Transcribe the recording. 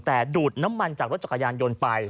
แต่ดูดน้ำมันจากรถจักรยานยนต์ไป